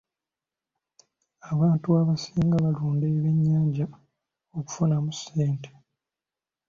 Abantu abasinga balunda ebyennyanja okufunamu ssente.